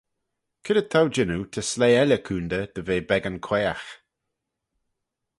Cre'd t'ou jannoo ta sleih elley coontey dy ve beggan quaagh?